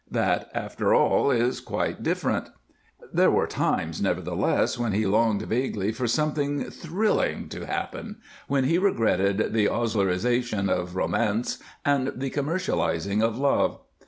That, after all, is quite different. There were times, nevertheless, when he longed vaguely for something thrilling to happen, when he regretted the Oslerization of romance and the commercializing of love.